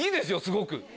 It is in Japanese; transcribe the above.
すごく。